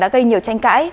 đã gây nhiều tranh cãi